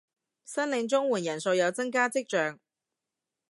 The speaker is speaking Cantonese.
申領綜援人數有增加跡象